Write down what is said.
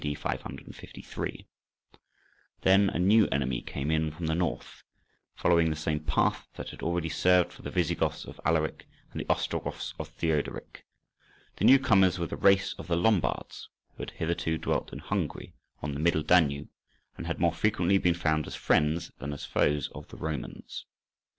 D. 553. Then a new enemy came in from the north, following the same path that had already served for the Visigoths of Alaric and the Ostrogoths of Theodoric. The new comers were the race of the Lombards, who had hitherto dwelt in Hungary, on the Middle Danube, and had more frequently been found as friends than as foes of the Romans.